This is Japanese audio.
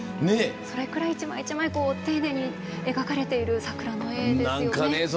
それくらい一枚一枚丁寧に描かれている桜の絵ですよね。